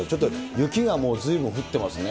雪がもうずいぶん降ってますね。